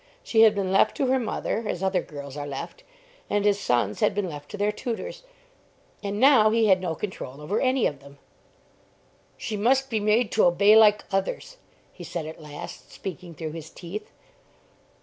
She had been left to her mother, as other girls are left. And his sons had been left to their tutors. And now he had no control over any of them. "She must be made to obey like others," he said at last, speaking through his teeth.